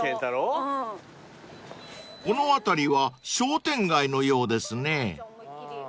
［この辺りは商店街のようですね］